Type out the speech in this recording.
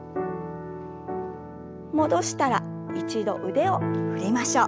戻したら一度腕を振りましょう。